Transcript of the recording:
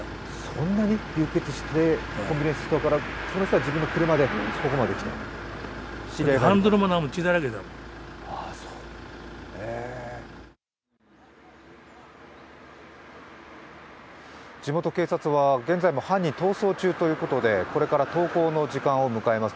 そんなに流血して、コンビニエンスストアから地元警察は現在も犯人、逃走中ということでこれから登校の時間を迎えます。